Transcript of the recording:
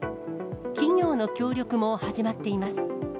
企業の協力も始まっています。